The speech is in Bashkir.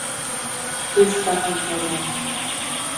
Өс таған таймаҫ.